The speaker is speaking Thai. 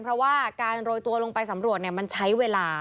เพราะว่าการโรยตัวลงไปสำรวจมันใช้เวลา